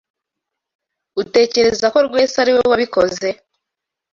Utekereza ko Rwesa ari we wabikoze?